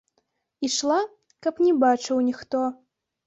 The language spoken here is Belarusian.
Ішла, каб не бачыў ніхто.